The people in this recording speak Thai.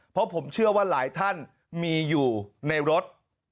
เพราะผมเชื่อว่าหลายท่านมีอยู่ในรถ